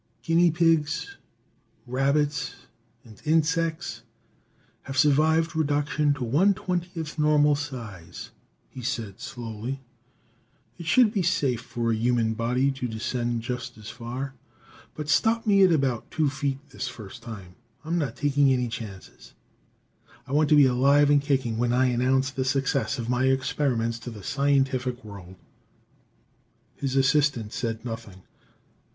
"Guinea pigs, rabbits and insects have survived reduction to one twentieth normal size," he said slowly. "It should be safe for the human body to descend just as far. But stop me at about two feet this first time. I'm not taking any chances; I want to be alive and kicking when I announce the success of my experiments to the scientific world." His assistant said nothing.